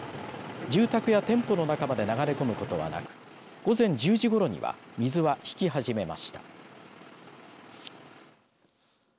住宅や店舗の中まで流れ込んでくることになり午前１０時ごろには水は引き始めました。